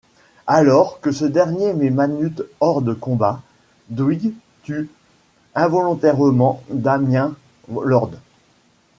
Alors que ce dernier met Manute hors de combat, Dwight tue involontairement Damien Lord.